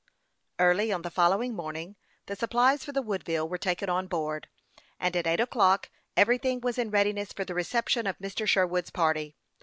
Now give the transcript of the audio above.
Early on the following morning the supplies for the Woodville were taken on board, and at eight o'clock everything was in readiness for the reception of Mr. Sherwood's party.